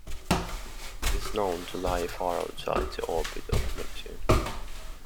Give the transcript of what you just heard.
It is known to lie far outside the orbit of Neptune.